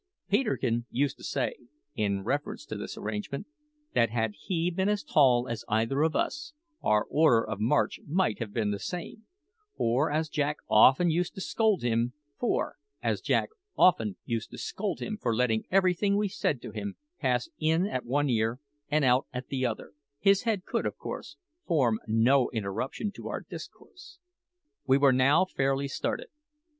Peterkin used to say, in reference to this arrangement, that had he been as tall as either of us, our order of march might have been the same; for, as Jack often used to scold him for letting everything we said to him pass in at one ear and out at the other, his head could, of course, form no interruption to our discourse. We were now fairly started.